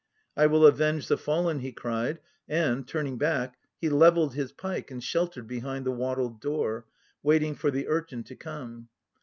"I will avenge the fallen," he cried, and, turning back, He levelled his pike and sheltered behind the wattled door, Waiting for the urchin to come.